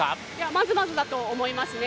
まずまずだと思いますね。